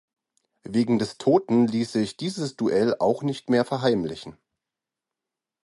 Wegen des Toten ließ sich dieses Duell auch nicht mehr verheimlichen.